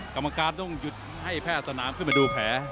กรรมการต้องหยุดให้แพทย์สนามขึ้นมาดูแผล